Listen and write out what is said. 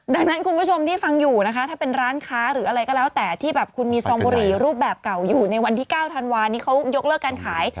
ดังนั้นคุณผู้ชมที่ฟังอยู่นะคะถ้าเป็นร้านค้าหรืออะไรก็แล้วแต่ที่แบบคุณมีซองบุหรี่รูปแบบเก่าอยู่ในวันที่๙ธันวานี้เขายกเลิกการขาย